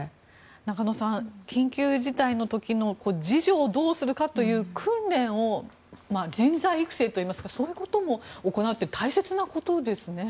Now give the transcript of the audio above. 中野さん、緊急事態の時の自助をどうするかという訓練を、人材育成というかそういうことも行うって大切なことですね。